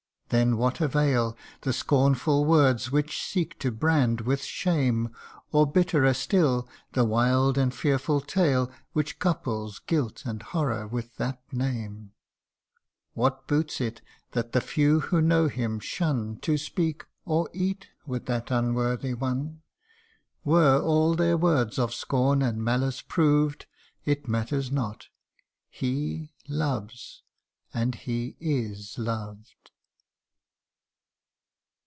then what avail The scornful words which seek to brand with shame ? 6 THE UNDYING ONE. Or bitterer still, the wild and fearful tale Which couples guilt and horror with that name ? What boots it that the few who know him shun To speak or eat with that unworthy one ? Were all their words of scorn and malice proved, It matters not he loves and he is loved!